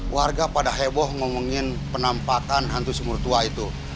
warga pada heboh ngomongin penampakan hantu sumur tua itu